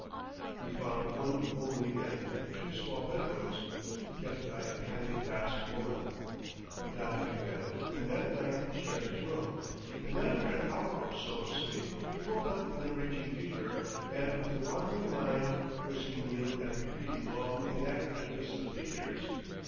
We found one homely inn with two small bedrooms, kept by a kindly Basque woman. I got him to bed, and that night shared his room, and after an hour or so of sleep he woke up in a raging fever and with a wandering mind, cursing Neal and repeating long, inaccurate lists of figures.